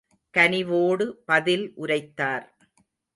கனிவோடு பதில் உரைத்தார்.